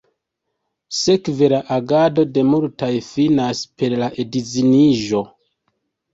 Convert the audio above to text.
Sekve la agado de multaj finas per la edziniĝo.